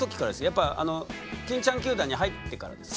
やっぱ欽ちゃん球団に入ってからですか？